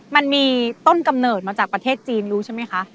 มันมีต้นกำเนิดมาจากประเทศจีนรู้ใช่ไหมคะ